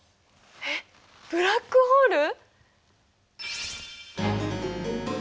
えっブラックホール？